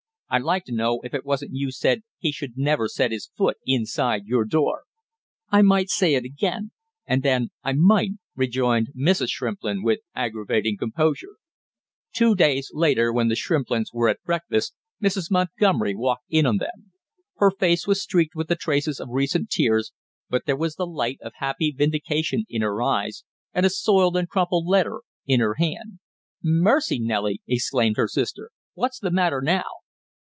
I'd like to know if it wasn't you said he should never set his foot inside your door?" "I might say it again, and then I mightn't," rejoined Mrs. Shrimplin, with aggravating composure. Two days later when the Shrimplins were at breakfast Mrs. Montgomery walked in on them. Her face was streaked with the traces of recent tears, but there was the light of happy vindication in her eyes, and a soiled and crumpled letter in her hand. "Mercy, Nellie!" exclaimed her sister. "What's the matter now?"